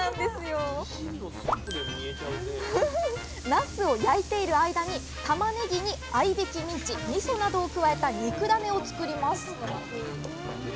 なすを焼いている間にたまねぎに合いびきミンチみそなどを加えた肉だねを作ります。